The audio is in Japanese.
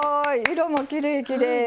色もきれいきれい！